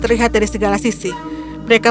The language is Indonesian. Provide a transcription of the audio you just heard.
terlihat dari segala sisi mereka